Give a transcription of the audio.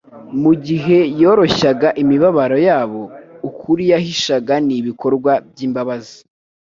Mu gihe yoroshyaga imibabaro yabo, ukuri yigishaga n'ibikorwa by'imbabazi,